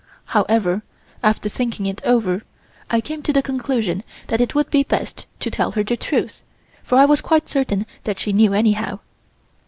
However, after thinking it over, I came to the conclusion that it would be best to tell her the truth, for I was quite certain that she knew anyhow.